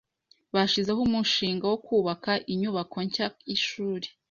Bashizeho umushinga wo kubaka inyubako nshya yishuri.